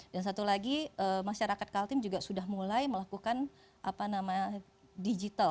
dan satu lagi masyarakat kaltim juga sudah mulai melakukan digital